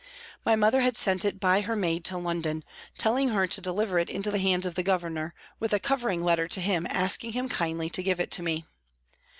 My mother had sent it by her maid to London, telling her to deliver it into the hands of the Governor with a covering letter to him asking him kindly to give it to me.